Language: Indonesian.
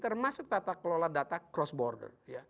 termasuk tata kelola data cross border